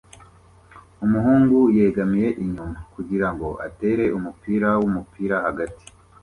Umuhungu yegamiye inyuma kugirango atere umupira wumupira hagati